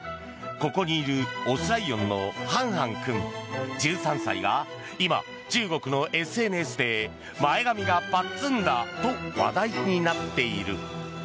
ここにいる雄ライオンのハンハン君、１３歳が今、中国のＳＮＳで前髪がぱっつんだと話題になっている。